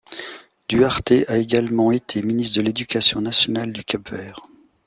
Duarte a également été ministre de l'Éducation nationale du Cap-Vert.